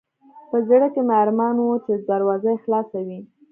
په زړه کې مې ارمان و چې دروازه یې خلاصه وای.